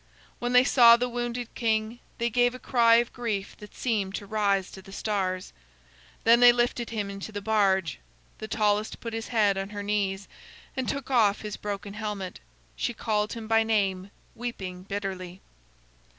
When they saw the wounded king, they gave a cry of grief that seemed to rise to the stars. Then they lifted him into the barge. The tallest put his head on her knees, and took off his broken helmet. She called him by name, weeping bitterly.